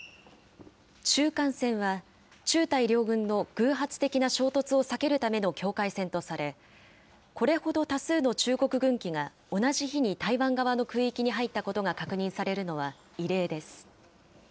中間線は、中台両軍の偶発的な衝突を避けるための境界線とされ、これほど多数の中国軍機が同じ日に台湾側の空域に入ったことが確認されるのは異例です。